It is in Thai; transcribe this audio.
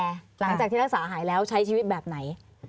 หลังจากที่รักษาหายแล้วใช้ชีวิตแบบไหน